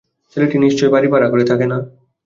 ছেলেটি নিশ্চয়ই বাড়ি ভাড়া করে থাকে না।